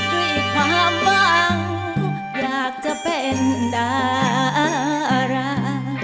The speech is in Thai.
ด้วยความหวังอยากจะเป็นดารา